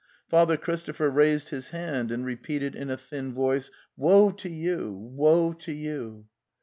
Father Christopher raised his hand and repeated in a thin voice: "Woe to you! Woe to you!"